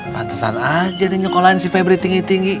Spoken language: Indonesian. pantesan aja nih nyokolahin si febri tinggi tinggi